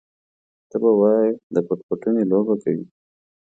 ته به وايې د پټ پټوني لوبه کوي.